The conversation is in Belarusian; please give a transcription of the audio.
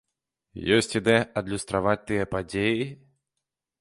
Ёсць ідэя адлюстраваць тыя падзеі?